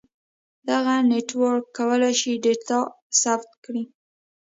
دغه نیټورک کولای شي ډاټا ثبت کړي.